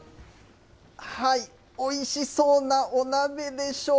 おいしそうなお鍋でしょう。